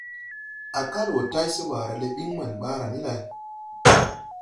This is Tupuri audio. A kal wo tay se ɓaara le ɓiŋ maŋ ɓaara ni lay.